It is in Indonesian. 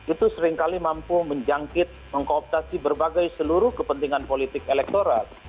itu seringkali mampu menjangkit mengkooptasi berbagai seluruh kepentingan politik elektoral